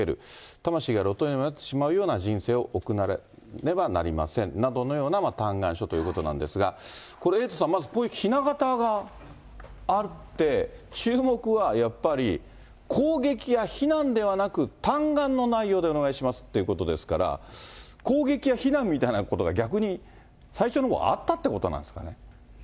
魂が路頭に迷ってしまうような人生を送らねばなりません、などのような嘆願書ということなんですが、これ、エイトさん、まずこういうひな形があって、注目はやっぱり、攻撃や非難ではなく、嘆願の内容でお願いしますってことですから、攻撃や非難みたいなことが、逆に最初のほうはあったっていうことなんですかね。